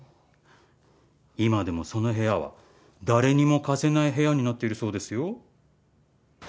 今でもその部屋は誰にも貸せない部屋になっているそうですよ。